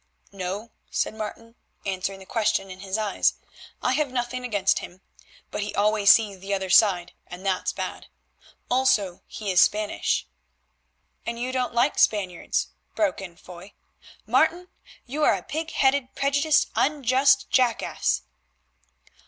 "No," said Martin, answering the question in his eyes. "I have nothing against him, but he always sees the other side, and that's bad. Also he is Spanish——" "And you don't like Spaniards," broke in Foy. "Martin, you are a pig headed, prejudiced, unjust jackass."